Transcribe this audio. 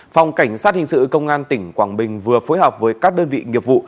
phòng cảnh sát hình sự công an tỉnh quảng bình vừa phối hợp với các đơn vị nghiệp vụ